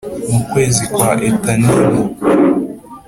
Mu kwezi kwa Etanimu